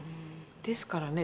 ですからね